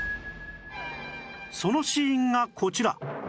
そのシーンがこちら